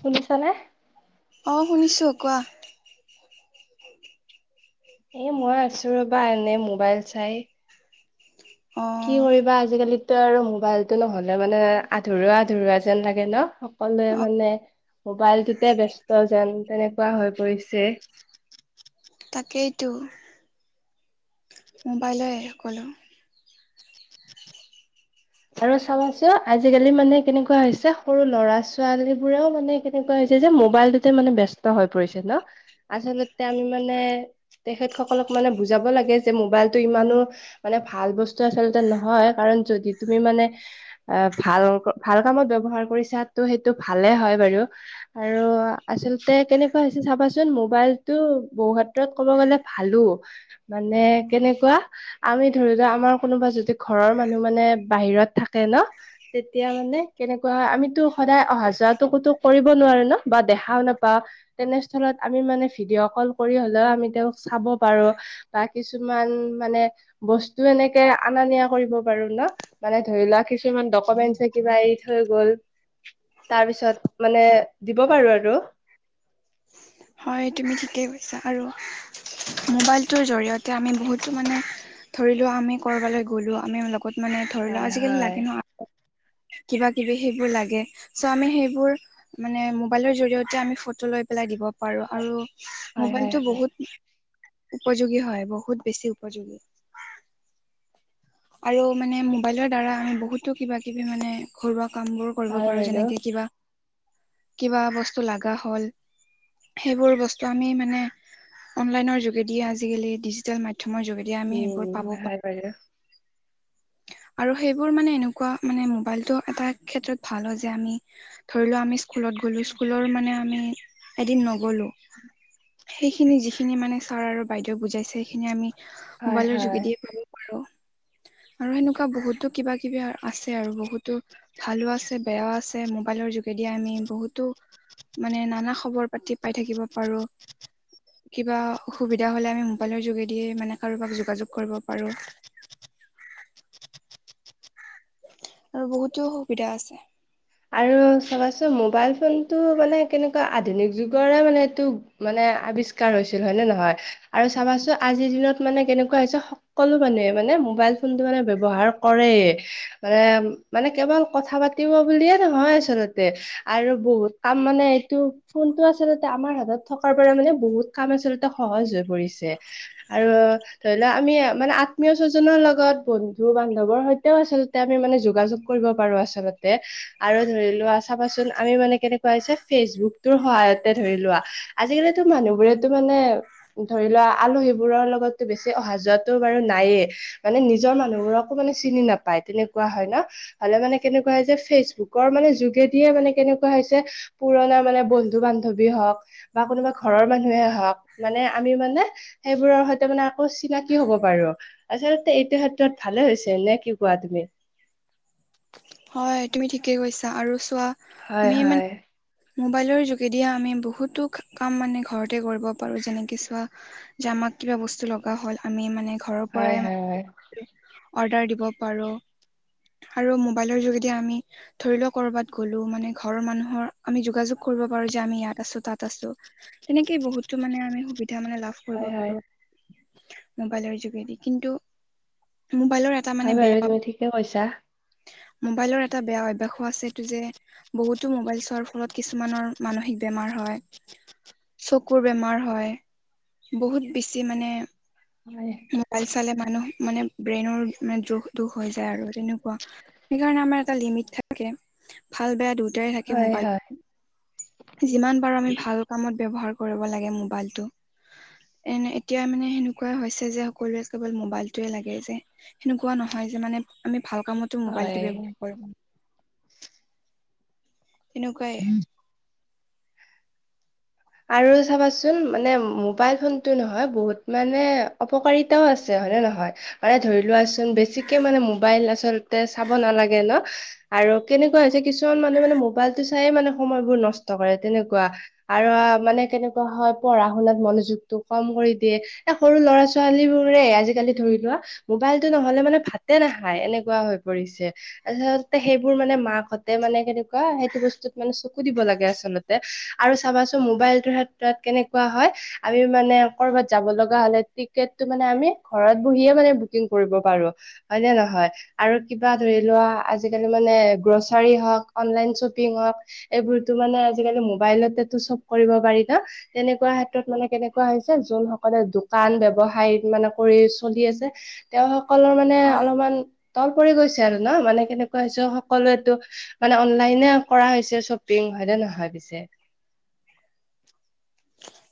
শুনিছানে অঁ শুনিছোঁ কোৱা এ মই আছো ৰবা, এনে মোবাইল চাই। অ। কি কৰিবা আজিকালিতো আৰু মোবাইলতটো নহ'লে মানে, আধৰুৱা-আধৰুৱা যেন লাগে ন'। সকলোৱে অ মানে, মোবাইলটোতে ব্যস্ত যেন, তেনেকুৱা হৈ পৰিছে। তাকেইতো। মোবাইলেই সকলো। আৰু চাবাচোন, আজিকালি মানে কেনেকুৱা হৈছে, সৰু ল'ৰা ছোৱালী বোৰেও মানে, কেনেকুৱা হৈছে যে, মোবাইলটোতে মানে ব্যস্ত হৈ পৰিছে ন'। আচলতে আমি মানে তেখেতসকলক মানে বুজাব লাগে যে, মোবাইলতটো ইমানো মানে, ভাল বস্তু আচলতে নহয়। কাৰণ, যদি তুমি মানে এ ভাল-ভাল কামত ব্যৱহাৰ কৰিছা, সেইটো ভালে হয় বাৰু। আৰু আচলতে কেনেকুৱা হৈছে চাবাচোন, মোবাইলতটো বহুত ক'ব গ'লে ভালো। মানে কেনেকুৱা, আমি ধৰি লোৱা, আমাৰ কোনোবা যদি ঘৰৰ মানুহ মানে বাহিৰত থাকে ন'। তেতিয়া মানে, কেনেকুৱা হয়, আমিতো সদায় অহা যোৱাতো কতো কৰিব নোৱাৰো ন', বা দেখাও নাপাওঁ। তেনেস্থলত আমি মানে ভিডিঅ' কল কৰি হলেও, আমি তেওঁক চাব পাৰো। বা কিছুমান মানে, বস্তু এনেকে অনা নিয়া কৰিব পাৰো ন'। মানে ধৰি লোৱা, কিছুমান ডকুমেন্ট কিবা এৰি থৈ গ'ল। তাৰ পিছত মানে, দিব পাৰো আৰু। হয়, তুমি ঠিকেই কৈছা। আৰু মোবাইলটোৰ জৰিয়তে, আমি বহুতো মানে ধৰিলো আমি কৰ'বালৈ গ'লো, আমি লগত মানে ধৰি হয় লোৱা, আজিকালি হয় লাগে নহ। কিবা কিবি সেইবোৰ লাগে। চ' আমি সেইবোৰ মানে, মবাইলৰ জৰিয়তে, আমি ফটো লৈ পেলাই দিব প পাৰো আৰু হয় হয় মোবাইলতটো হয় বহুত, উপযোগী হয়, বহুত বেছি উপযোগী। আৰু মানে মোবাইলৰ দ্বাৰা আমি বহুতো কিবা কিবি মানে, ঘৰুৱা কাম বোৰ কৰিব হয় পাৰো বাইদেউ যেনেকে কিবা, কিবা বস্তু লগা হল। সেইবোৰ বস্তু আমি মানে, অনলাইনৰ যোগেদিয়ে, আজিকালি ডিজিটেল মাধ্যমৰ যোগেদি তেতিয়া আমি সেইবোৰ উম। পাব হয় পাৰো। বাইদেউ আৰু সেইবোৰ মানে এনেকুৱা, মানে মোবাইলটো এটা ক্ষেত্ৰত ভাল হয় যে, আমি ধৰি লও আমি স্কুলত গ'লো, স্কুলৰ মানে আমি এদিন নগলো। সেইখিনি, যিখিনি মানে ছাৰ আৰু বাইদেউে বুজাইছে সেইখিনি আমি, হয় মোবাইলৰ হয়। যোগেদিয়ে কব পাৰো। আৰু সেনেকুৱা বহুতো কিবা কিবি আছে আৰু। বহুতো ভালো আছে, বেয়াও আছে। মোবাইলৰ যোগেদি আমি বহুতো মানে, নানা খবৰ পাতি পাই থাকিব পাৰো। কিবা, অসুবিধা হ'লে আমি মোবাইলৰ যোগেদিয়ে মানে, কাৰোবাক যোগা কৰিব পাৰো। আৰু বহুতেও সুবিধা আছে। আৰু চাবাচোন, মোবাইল ফোনটো মানে, কেনেকুৱা আধুনিক যুগৰে মানে এইটো মানে, আৱিষ্কাৰ হৈছিল হয়নে নহয়?। আৰু চাবাচোন, আজিৰ দিনত মানে কেনেকুৱা হৈছে, সকলো মানুহে মানে, মোবাইল ফোনতটো মানে ব্যৱহাৰ কৰে মানে, মানে কেৱল কথা পাতিব বুলিয়ে নহয় আচলতে। আৰু বহুত কাম মানে, এইটো ফোনটো আচলতে আমাৰ হাতত থকাৰ পৰা মানে, বহুত কাম আচলতে সহজ হৈ পৰিছে। আৰু ধৰি লোৱা আমি মানে আত্মীয় স্বজনৰ লগত, বন্ধু বান্ধৱৰ সৈতেও আচল তে আমি মানে, যোগাযোগ কৰিব পাৰো আচলতে। আৰু ধৰি লোৱা চাবাচোন, আমি মানে কেনেকুৱা হৈছে, ফেচবুকটোৰ সহায়তে ধৰি লোৱা। আজিকালিতো মানুহবোৰেতো মানে ধৰি লোৱা, আলহীবোৰৰ লগতো বেছি অহা যোৱাটো বাৰু নাইয়ে। মানে নিজৰ মানুহবোৰকো মানে, চিনি নাপায় তেনেকুৱা হয় ন'। হলে মানে কেনেকুৱা হয় যে ফেচবুক ৰ মানে যোগেদিয়ে, মানে কেনেকুৱা হৈছে, পুৰণা মানে বন্ধু বান্ধৱী হওক বা কোনোবা ঘৰৰ মানুহে হওক মানে আমি মানে সেইবোৰৰ সৈতে মানে আকৌ চিনাকি হ'ব পাৰো। আচলতে এইটো ক্ষেত্ৰত ভালে হৈছে, নে কি কোৱা তুমি? হয় তুমি ঠিকেই কৈছা। আৰু চোৱা হয় আমি মানে হয়। মোবাইলৰ যোগেদিয়ে আমি বহুতো কাম মানে ঘৰতে কৰিব পাৰো যেনেক চোৱা যে আমাক কিবা বস্তু লগা হ'ল আমি মানে ঘৰৰ হয় পৰাই হয় হয় মানে অৰ্ডাৰ দিব পাৰো। আৰু মোবাইলৰ যোগেদি আমি ধৰি লোৱা কৰবাত গ'লো মানে ঘৰৰ মানুহৰ আমি যোগাযোগ কৰিব পাৰো যে আমি ইয়াত আছো তাত আছো, তেনেকে বহুতো মানে আমি সুবিধা মানে লাভ হয় কৰিব হয় পাৰো মবাইলৰ যোগেদি কিন্তু, মবাইলৰ এ টা হয় মানে বাৰু বেয়া তুমি ঠিকে কৈছা মোবাইলৰ এটা বেয়া অভ্যাসো আছে এইটো যে বহুতো মবাইল চোৱাৰ ফলত কিছুমানৰ মানসিক বেমাৰ হয়। চকুৰ বেমাৰ হয়, বহুত বেছি মানে হয় মোবাইল চালে মানুহ মানে ব্ৰেইনৰ দুখ দুখ হৈ যায় আৰু তেনেকুৱা। সেইকাৰণে আমাৰ এটা লিমিট থাকে, ভাল বেয়া দুয়টাই থাকে হয় হয় মোবাইল। যিমান পাৰো আমি ভাল কামত ব্যৱহাৰ কৰিব লাগে মোবাইলটো। এনে এতিয়া মানে সেনেকুৱাই হৈছে যে, সকলোৰে কেৱল মোবাইল টোৱে লাগে যে সেনেকুৱা নহয় যে মানে আমি ভাল কামতো মোবাইলটো হয় ব্যবহাৰ কৰি তেনেকুৱাই আৰু চাবাচোন মানে মোবাইল ফোনটো নহয় বহুত মানে অপকাৰিতাও আছে, হয় নে নহয়? মানে ধৰি লোৱাচোন বেছিকে মানে মোবাইল আচলতে চাব নালাগে ন। আৰু কেনেকুৱা হৈছে কিছুমান মানুহ মানে মোবাইলটো চাইয়ে মানে সময়বোৰ নষ্ট কৰে, তেনেকুৱা। আৰু মানে কেনেকুৱা হয় পঢ়া শুনাত মনোযোগটো কম কৰি দিয়ে। এ সৰু ল'ৰা ছোৱালী বোৰে আজিকালি ধৰি লোৱা মোবাইলটো ন'হলে মানে ভাতে নাখায় এনেকুৱা হৈ পৰিছে। আচলতে সেইবোৰ মানে মাকহঁতে মানে কেনেকুৱা সেইটো বস্তুত মানে চকু দিব লাগে আচলতে। আৰু চাবাচোন মোবাইলটোৰ ক্ষেত্ৰত কেনেকুৱা হয়। আমি মানে ক'ৰবাত যাব লগা হলে টিকেটটো মানে আমি ঘৰত বহিয়ে মানে বুকিং কৰিব পাৰো। হয় নে নহয়? আৰু কিবা ধৰি লোৱা আজিকালি মানে গ্ৰ'চাৰী হওঁক অনলাইন শ্বপিং হওঁক এইবোৰতো মানে আজিকালি মোবাইলতেতো চব কৰিব পাৰি ন। তেনেকুৱা ক্ষেত্ৰত মানে কেনেকুৱা হৈছে যোন সকলে দোকান ব্যবসায় মানে কৰি চলি আছে। তেওঁ সকলৰ মানে হয় অলপমান তল পৰি গৈছে আৰু ন, মানে কেনেকুৱা হৈছে সকলোৱেটো মানে অনলাইনে কৰা হৈছে শ্বপিং। হয়‌ নে নহয় পিছে? [inaudible]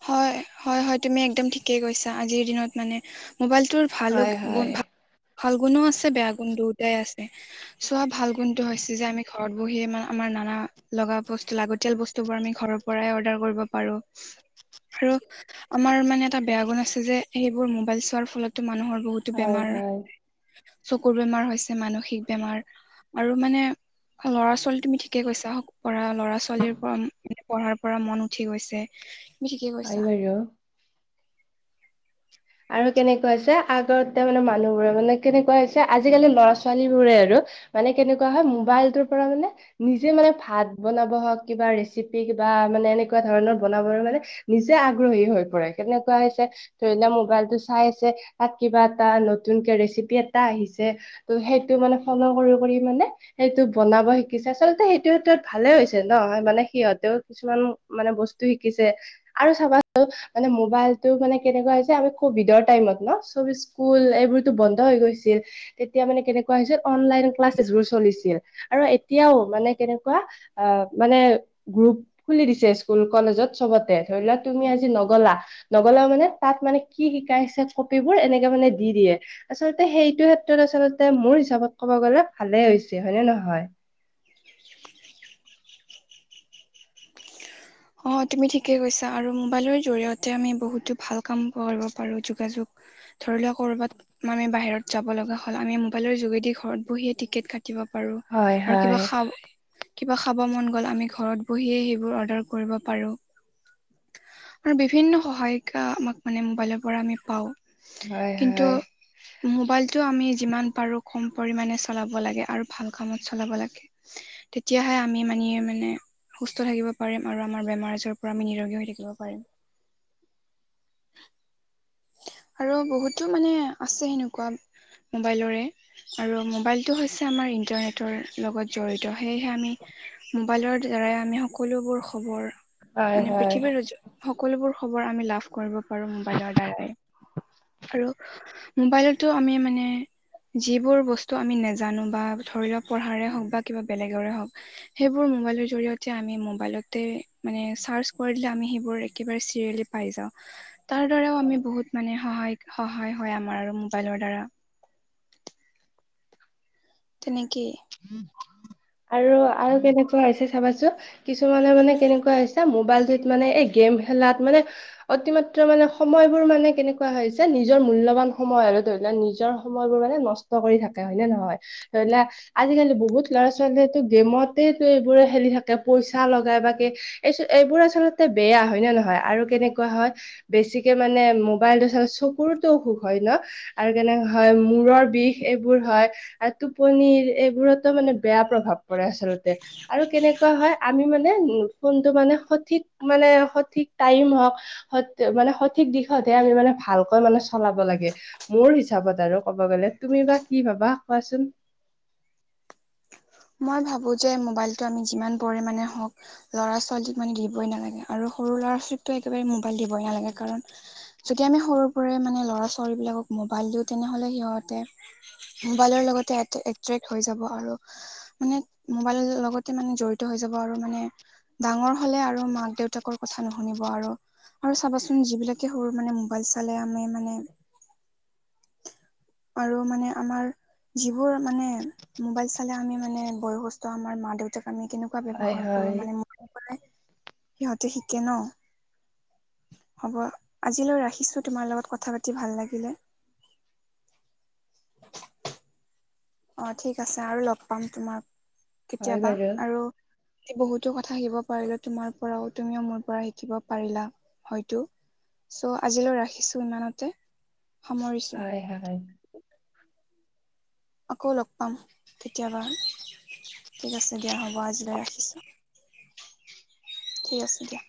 হয়-হয়-হয়, তুমি একদম ঠিকেই কৈছা আজিৰ দিনত মানে। মোবাইলতোৰ- ভালো হয় হয় গুণ, ভাল গুণো আছে, বেয়া গুণ দুইটাই আছে। চোৱা ভাল গুণটো হৈছে যে আমি ঘৰত বহিয়ে মে আমাৰ নানা লগা বস্তু লাগতিয়াল বস্তু বোৰ আমি ঘৰৰ- পৰাই অৰ্ডাৰ কৰিব পাৰো। আৰু আমাৰ মানে এটা বেয়া গুণ আছে যে, সেইবোৰ মোবাইল চোৱাৰ ফলতো মানুহৰ বহুত- টো হয় বেমাৰ। হয় চকুৰ বেমাৰ হৈছে, মানসিক বেমাৰ, আৰু মানে- ল'ৰা-ছোৱালী তুমি ঠিকে কৈছা। ল'ৰা-ছোৱালীৰ কম- পঢ়াৰ পৰা মন উঠি গৈছে, তুমি ঠিকে হয় কৈছা। বাৰু আৰু কেনেকুৱা হৈছে, আগতে মানে মানুহবোৰে মানে কেনেকুৱা হৈছে, আজিকালি লৰা ছোৱালীবোৰে আৰু- মানে কেনেকুৱা হয় মোবাইলটোৰ পৰা মানে- নিজে মানে ভাত বনাব হওঁক, কিবা ৰেচিপি কিবা মানে এনেকুৱা ধৰণৰ বনাব মানে- নিজে আগ্ৰহী হৈ পৰে। সেনেকুৱা হৈছে ধৰি লোৱা মোক- মোবাইলটো চাই আছে, তা'ত কিবা এটা নতুনকে ৰেচিপি এটা আহিছে- ত' সেইটো মানে ফ্লো কৰিব পাৰি মানে- সেইটো বনাব শিকিছে। আচলতে সেইটো ক্ষেত্ৰত ভালে হৈছে ন, মানে সিহঁতেও কিছুমান- মানে বস্তু শিকিছে। আৰু চাবাচোন মানে মোবাইলটো মানে কেনেকুৱা হৈছে আমি- ক'ভিডৰ টাইমত ন, চব স্কুল এইবোৰটো বন্ধ হৈ গৈছিল। তেতিয়া মানে কেনেকুৱা হৈছিল অনলাইন ক্লাছেবোৰ চলিছিল। আৰু এতিয়াও মানে কেনেকুৱা- আঁহ', মানে গ্ৰুপ খুলি দিছে স্কুল, কলেজত চবতে। ধৰি লোৱা তুমি আজি নগলা। নগলা মানে তা'ত মানে কি শিকাইছে কপিবোৰ এনেকে মানে দি দিয়ে। আচলতে সেইটো ক্ষেত্ৰত আচলতে মোৰ হিচাপত কব গ'লে ভালে হৈছে হয় নে নহয়। অঁহ', তুমি ঠিকেই কৈছা, আৰু মোবাইলৰ জৰিয়তে আমি বহুতো ভাল কাম কৰিব পাৰোঁ যোগা-যোগ। ধৰি লোৱা কৰ'বাত আমি বাহিৰত যাব লগা হ'ল আমি মোবাইলৰ যোগেদি ঘৰত বহিয়ে টিকেট কাটি শিকিব পাৰো। হয় আৰু কিবা হয় খাব, কিবা খাব মন গ'ল ঘৰত বহিয়ে সেইবোৰ অৰ্ডাৰ- কৰিব পাৰো। আৰু বিভিন্ন সহায়িকা আমাক মানে মোবাইলৰ পৰা আমি পাওঁ। হয় হয় কিন্তু- মোবাইলটো আমি যিমান পাৰো কম পৰিমমানে চলাব লাগে আৰু ভাল কামত চলাব লাগে। তেতিয়াহে আমি মানে সুস্থ থাকিব পাৰিম। আৰু আমাৰ বেমাৰ-আজাৰৰ পৰা আমি নিৰোগী হৈ থাকিব পাৰিম। আৰু বহুতো মানে আছে সেনেকুৱা মোবাইলৰে। আৰু মোবাইলটো হৈছে আমাৰ ইণ্টাৰনেটৰ লগত জড়িত। সেয়েহে আমি- মোবাইলৰ দ্বাৰাই আমি সকলোবোৰ খবৰ- হয় মানে হয় পৃথিৱীৰ সকলোবোৰ খবৰ আমি লাভ কৰিব পাৰো মোবাইলৰ দ্বাৰাই। আৰু- মোবাইলতটো আমি মানে যিবোৰ বস্তু আমি নজানো বা ধৰি লওক- পঢ়াৰে হওক বা কিবা বেলেগৰে হওক। সেইবোৰ মোবাইলৰ জৰিয়তে আমি মোবাইলতে মানে চাৰ্চ কৰিলে আমি সেইবোৰ একেবাৰে চিৰিয়েলী- পাই যাওঁ। তাৰ দ্বাৰাও আমি বহুত মানে সহায়িক, সহায় হয় আমাৰ আৰু মোবাইলৰ দ্বাৰা। তেনেকেই। আৰু আৰু কেনেকুৱা হৈছে চাবাচোন কিছুমানে মানে কেনেকুৱা হৈ- ছে মোবাইলটোত মানে এই গেম খেলাত মানে- অতিমাত্ৰা মানে সময়বোৰ মানে কেনেকুৱা হৈছে, নিজৰ মূল্যবান সময় আৰু ধৰি লোৱা নিজৰ- সময়বোৰ মানে নষ্ট কৰি থাকে, হয় নে নহয়। ধৰি লোৱা- আজিকালি বহুত ল'ৰা ছোৱালীয়েতো গেমতেইতো এইবোৰে খেলি থাকে পইচা লগাই বাকে এই এইবোৰ আচলতে বেয়া, হয় নে নহয়? আৰু কেনেকুৱা হয় বেছিকে মানে মোবাইলটো চ চকুৰতো অসুখ হয় ন। আৰু কেনেকে হয় মূৰৰ বিষ এইবোৰ হয় আৰু টোপনিৰ এইবোৰতো মানে বেয়া প্ৰভাৱ পৰে আচলতে। আৰু কেনেকুৱা হয় আমি মানে উম ফোনটো মানে সঠিক মানে সঠিক টাইম হওঁক স মানে সঠিক দিশতহে আমি মানে ভালকৈ মানে চলাব লাগে। মোৰ হিচাপত আৰু ক'ব গ'লে, তুমি বা কি ভাবা কোৱাচোন? মই ভাবো যে মোবাইলটো আমি যিমান পৰিমণে হওঁক ল'ৰা ছোৱালীক মানে দিবই নালাগে, আৰু সৰু ল'ৰা ছোৱালীকতো একেবাৰে মোবাইল দিবই নালাগে কাৰণ যদি আমি সৰু পৰাই মানে ল'ৰা ছোৱালী বিলাকক মবাইল দিওঁ তেনেহলে সিহঁতে মোবাইলৰ লগতে এট্ৰেক্ট হৈ যাব আৰু মানে মোবাইল লগতে মানে জড়িত হৈ যাব আৰু মানে ডাঙৰ হলে আৰু মাক দেউতাকৰ কথা নুশুনিব আৰু আৰু চাবাচোন যিবিলাকে সৰু মানে মোবাইল চালে আমি মানে আৰু মানে আমাৰ যিবোৰ মানে মোবাইল চালে আমি মানে বয়সস্থ আমাৰ মা দেউতাক আমি কেনো কোৱা হয় ব্যবহাৰ হয় কৰো মানে মোবাইলৰ পৰাই সিহঁতে শিকে ন। হ'ব আজিলৈ ৰাখিছো, তোমাৰ লগত কথা পাতি ভাল লাগিলে। অ ঠিক আছে আৰু লগ পাম তোমাক হয় কেতিয়াবা বাৰু আৰু আজি বহুতো কথা শিকিব পাৰিলা তোমাৰ পৰাও তুমিও মোৰ পৰা শিকিব পাৰিলা। হয়তো চ' আজিলৈ ৰাখিছো ইমানতে সামৰি হয় হয় হয়। আকৌ লগ পাম কেতিয়াবা, ঠিক আছে দিয়া হ'ব আজিলৈ ৰাখিছোঁ। ঠিক আছে দিয়া।